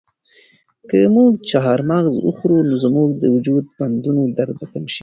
که موږ چهارمغز وخورو نو زموږ د وجود د بندونو درد به کم شي.